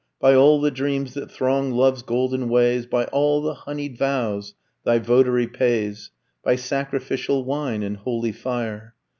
By all the dreams that throng Love's golden ways, By all the honied vows thy votary pays, By sacrificial wine, and holy fire!